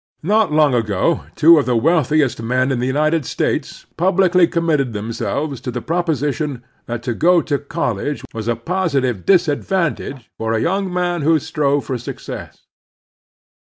Not long ago two of the wealthiest men in the United States publicly committed themselves to the proposition that to go to college was a positive disadvantage for a young man who strove for success.